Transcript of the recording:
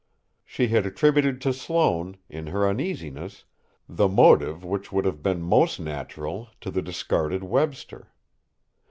She had attributed to Sloane, in her uneasiness, the motive which would have been most natural to the discarded Webster.